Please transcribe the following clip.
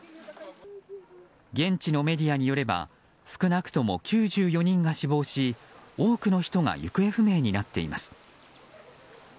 現地のメディアによれば少なくとも９４人が死亡し多くの人が行方不明になっています。